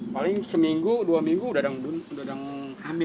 paling seminggu dua minggu udah udah hamil